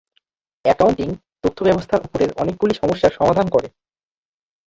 Accounting তথ্য ব্যবস্থা উপরের অনেকগুলি সমস্যার সমাধান করে।